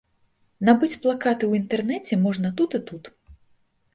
Набыць плакаты ў інтэрнэце можна тут і тут.